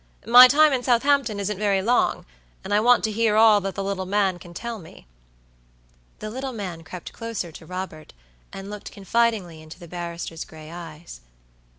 "My time in Southampton isn't very long, and I want to hear all that the little man can tell me." The little man crept closer to Robert, and looked confidingly into the barrister's gray eyes.